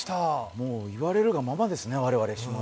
もう言われるがままですね、我々。